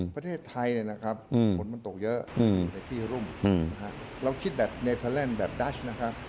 ประเทศไทยเนี่ยนะครับฝนมันตกเยอะในที่รุ่มเราคิดแบบเนเทอร์แลนด์แบบดัชนะครับ